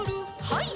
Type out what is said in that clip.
はい。